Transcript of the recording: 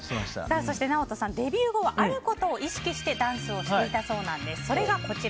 そしてＮＡＯＴＯさんデビュー後はあることを意識してダンスをしていたそうなんです。